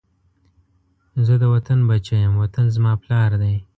زه د وطن بچی یم، وطن زما پلار دی